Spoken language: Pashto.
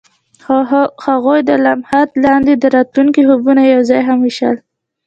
هغوی د لمحه لاندې د راتلونکي خوبونه یوځای هم وویشل.